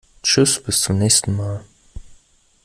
Tschüß, bis zum nächsen mal!